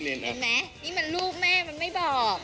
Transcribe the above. เห็นไหมนี่มันลูกแม่มันไม่บอก